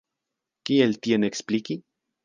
Kiel tion ekspliki?